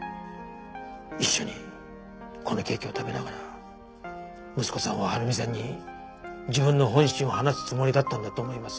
一緒にこのケーキを食べながら息子さんは晴美さんに自分の本心を話すつもりだったんだと思います。